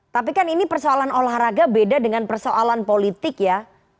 tapi kan ini persoalan olahraga beda dengan persoalan politik ya